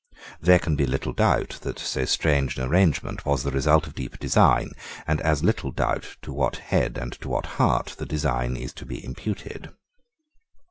There can be little doubt that so strange an arrangement was the result of deep design, and as little doubt to what head and to what heart the design is to be imputed.